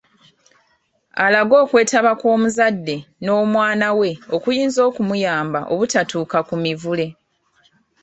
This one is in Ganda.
Alage okwetaba kw’omuzadde n’omwana we okuyinza okumuyamba obutatuuka ku Mivule